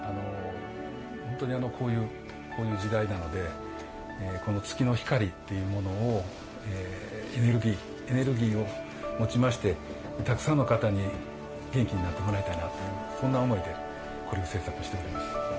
本当にこういう時代なのでこの月の光っていうものをエネルギーエネルギーをもちましてたくさんの方に元気になってもらいたいなというそんな思いでこれを制作しております。